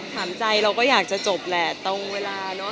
ถามใจเราก็อยากจะจบแหละตรงเวลาเนอะ